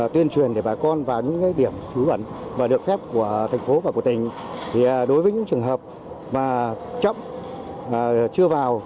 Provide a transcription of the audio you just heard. tuyên truyền để bà con vào những điểm trú vấn và được phép của thành phố và của tỉnh thì đối với những trường hợp mà chấp chưa vào